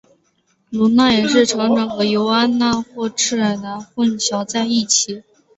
卢娜也常常和狄安娜或赫卡忒混淆在一起。